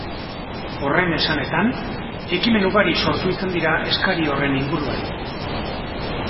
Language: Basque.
Horren esanetan, ekimen ugari sortu izan dira eskari horren inguruan.